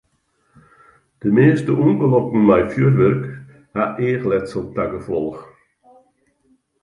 De measte ûngelokken mei fjurwurk ha eachletsel ta gefolch.